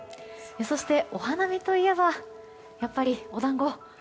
そしてお花見といえばやっぱり、お団子。